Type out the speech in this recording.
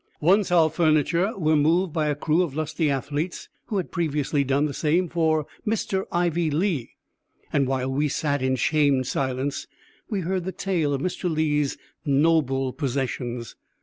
Once our furnitures were moved by a crew of lusty athletes who had previously done the same for Mr. Ivy Lee, and while we sat in shamed silence we heard the tale of Mr. Lee's noble possessions.